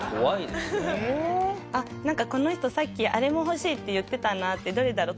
なんかこの人さっきあれも欲しいって言ってたなってどれだろう？